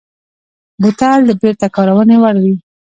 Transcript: بوتل د بېرته کارونې وړ وي.